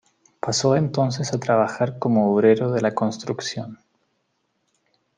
Pasó entonces a trabajar como obrero de la construcción.